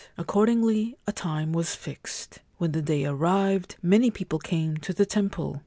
Accordingly a time was fixed. When the day arrived many people came to the temple.